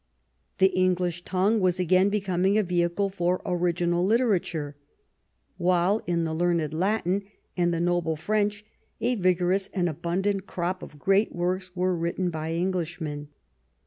The English tongue was again becoming a vehicle for original literature, while in the learned Latin and the noble French a vigorous and abundant crop of great M^orks Avere written by Englishmen.